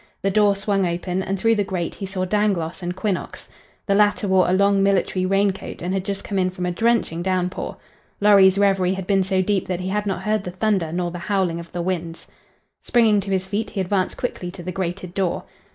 The door swung open and through the grate he saw Dangloss and Quinnox. The latter wore a long military rain coat and had just come in from a drenching downpour. Lorry's reverie had been so deep that he had not heard the thunder nor the howling of the winds. Springing to his feet he advanced quickly to the grated door.